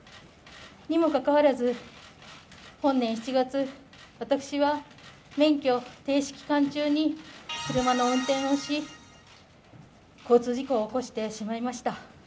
にもかかわらず、本年７月、私は免許停止期間中に車の運転をし交通事故を起こしてしまいました。